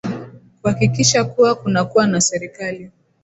kuhakikisha kuwa kunakuwa na serikali